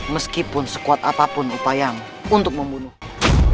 meskipun sekuat apapun upayamu untuk membunuhnya